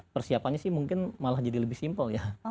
persiapannya sih mungkin malah jadi lebih simpel ya